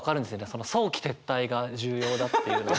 その早期撤退が重要だっていうのが。